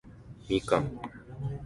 みかん